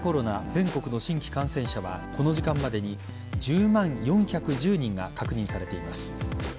全国の新規感染者はこの時間までに１０万４１０人が確認されています。